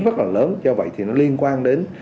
rất là lớn do vậy thì nó liên quan đến